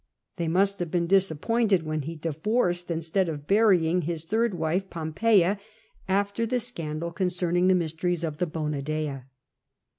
Tliey must have been disappointed when he divorced instead of burying his third wife, Pompeia, after the scandal concerning the mysteries of the Bona Ikn.